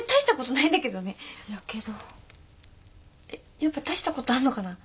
やっぱ大したことあんのかな。